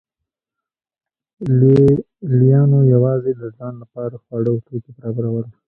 لې لیانو یوازې د ځان لپاره خواړه او توکي برابرول